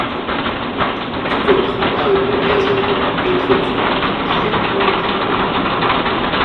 Tout autre mode de raisonnement introduit des biais dans le calcul.